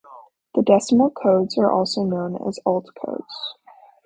The decimal codes are also known as Alt codes.